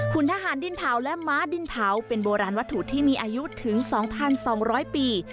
คุณทหารดินเผาและม้าดินเผาเป็นโบราณวัตถุที่มีอายุถึง๒๒๐๐ปี